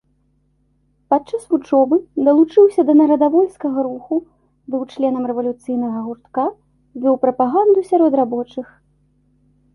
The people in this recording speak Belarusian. Падчас вучобы далучыўся да нарадавольскага руху, быў членам рэвалюцыйнага гуртка, вёў прапаганду сярод рабочых.